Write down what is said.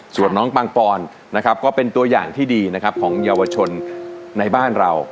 ส่วนน้องปังปอนนะครับก็เป็นตัวอย่างที่ดีนะครับของเยาวชนในบ้านเรา